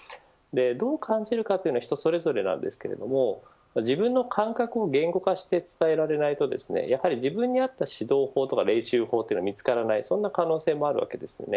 どう感じるかというのは人それぞれなんですけれども自分の感覚を言語化して伝えられないとですねやはり自分に合った指導法とか練習法というのは見つからない、そんな可能性もあるわけですよね。